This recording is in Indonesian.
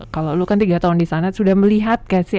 kalau lu kan tiga tahun disana sudah melihat gak sih